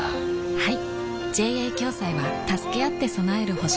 はい。